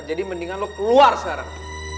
jadi mendingan lu keluar sekarang